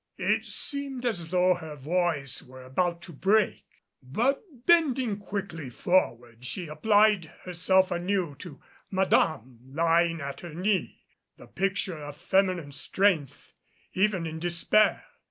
It seemed as though her voice were about to break, but bending quickly forward she applied herself anew to Madame lying at her knee, the picture of feminine strength even in despair.